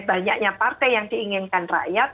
banyaknya partai yang diinginkan rakyat